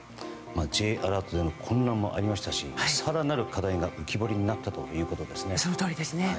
Ｊアラートでの混乱もありましたし更なる課題が浮き彫りになったということですね。